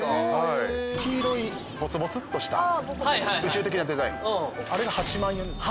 黄色いボツボツっとした宇宙的なデザインあれが８万円です。